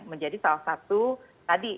menjadi salah satu tadi